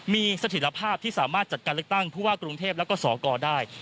มีสถิตภาพที่สามารถจัดการเลือกตั้งผู้ว่ากรุงเทพแล้วก็สกได้